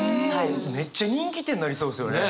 めっちゃ人気店になりそうですよね！